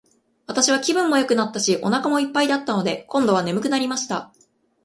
私は気分もよくなったし、お腹も一ぱいだったので、今度は睡くなりました。